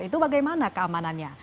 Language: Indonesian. itu bagaimana keamanannya